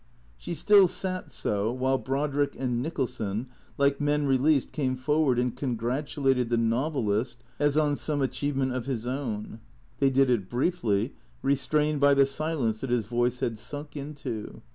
She still sat so, while Brodrick and Nicholson, like men re leased, came forward and congratulated the novelist as on some achievement of his own. They did it briefly, restrained by the silence that his voice had sunk into.